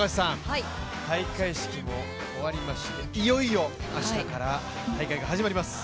開会式も終わりましていよいよ明日から大会が始まります。